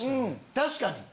確かに！